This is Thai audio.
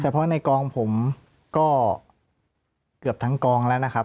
เพราะในกองผมก็เกือบทั้งกองแล้วนะครับ